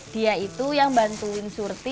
dia itu yang bantuin surti